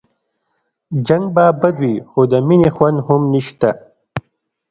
جنګ به بد وي خو د مينې خوند هم نشته